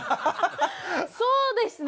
そうですね。